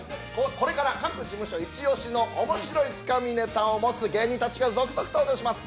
これから各事務所イチオシの面白いつかみネタを持つ芸人たちが続々登場します。